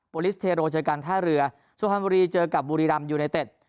โปรลิสเทโรเจอกันท่าเรือสวรรค์ฮันบุรีเจอกับบุรีรัมย์ยูไนเต็ด